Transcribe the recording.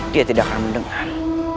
dia tidak akan mendengar